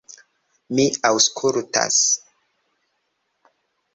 Mi aŭskultas.